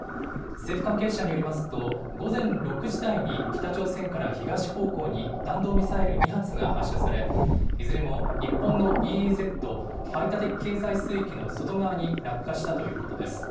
政府関係者によりますと、午前６時台に、北朝鮮から東方向に弾道ミサイル２発が発射され、いずれも日本のＥＥＺ・排他的経済水域の外側に落下したということです。